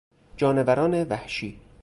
جانوران وحشی